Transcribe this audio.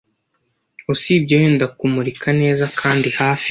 (Usibye wenda kumurika neza kandi hafi